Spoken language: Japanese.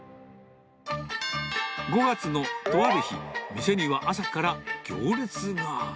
５月のとある日、店には朝から行列が。